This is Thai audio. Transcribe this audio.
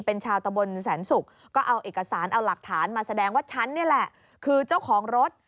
เป็นชาวตะบนแสนศุกร์ก็เอาเอกสารเอาหลักฐานมาแสดงว่าฉันนี่แหละคือเจ้าของรถ